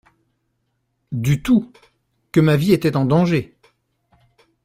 Du tout… que ma vie était en danger.